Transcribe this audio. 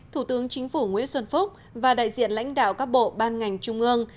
thủ tướng chính phủ nguyễn xuân phúc và đại diện lãnh đạo các bộ ban ngành trung ương